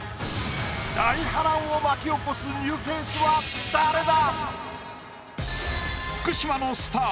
大波乱を巻き起こすニューフェースは誰だ⁉